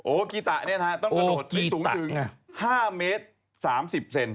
โอกีตะนี่นะครับต้องกระโดดสูงถึง๕เม้โลกรัม๓๐เซนตม